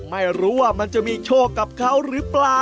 ไม่รู้ว่ามันจะมีโชคกับเขาหรือเปล่า